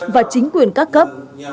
và chính quyền các cấp